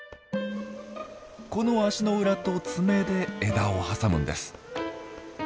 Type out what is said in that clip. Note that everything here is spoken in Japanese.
この足の裏と爪で枝を挟むんです。